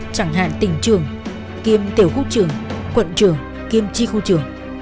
chẳng hạn tỉnh trưởng kiêm tiểu khu trưởng quận trưởng kiêm tri khu trưởng